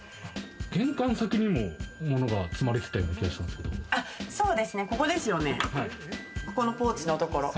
玄関先にも物が積まれてたような気がここですよね、ここのポーチのところ。